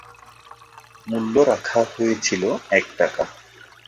মূল্য রাখা হয়েছিল এক টাকা।